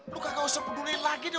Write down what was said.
lu kagak usah peduliin lagi deh